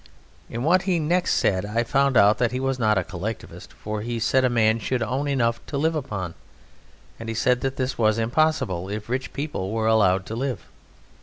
In what he next said I found out that he was not a Collectivist, for he said a man should own enough to live upon, but he said that this was impossible if rich people were allowed to live.